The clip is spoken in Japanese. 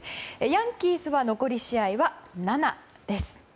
ヤンキースは残り試合は７です。